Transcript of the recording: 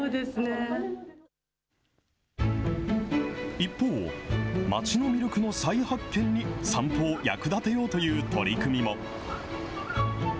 一方、町の魅力の再発見に散歩を役立てようという取り組みも。